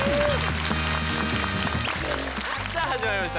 さあ始まりました